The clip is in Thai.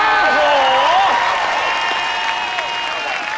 โอ้โห